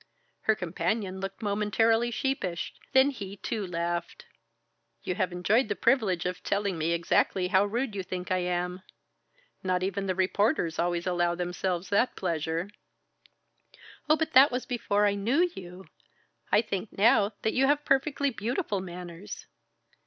Her companion looked momentarily sheepish, then he too laughed. "You have enjoyed the privilege of telling me exactly how rude you think I am. Not even the reporters always allow themselves that pleasure." "Oh, but that was before I knew you! I think now that you have perfectly beautiful manners."